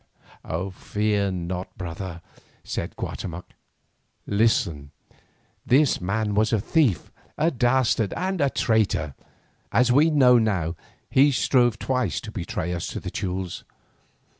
"Fear not, my brother," said Guatemoc. "Listen: this man was a thief, a dastard, and a traitor. As we know now, he strove twice to betray us to the Teules.